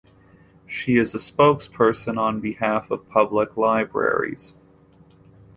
She is a spokesperson on behalf of public libraries.